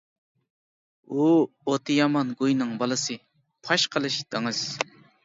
«ھۇ ئوتى يامان گۇينىڭ بالىسى» پاش قىلىش دېڭىز.